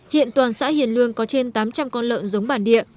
hiện toàn xã hiền lương có trên tám trăm linh con lợn giống bản địa